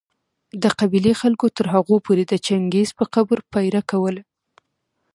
د قبېلې خلکو تر هغو پوري د چنګېز په قبر پهره کوله